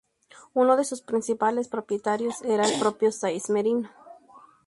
Uno de sus principales propietarios era el propio Sáez Merino.